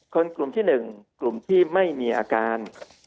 กลุ่มที่๑กลุ่มที่ไม่มีอาการ